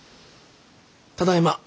ただいま。